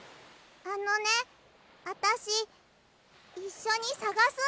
あのねあたしいっしょにさがす。